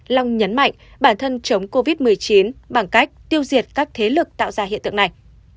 long nhấn mạnh bản thân chống covid một mươi chín bằng cách tiêu diệt các thế lực tạo ra hiện tượng này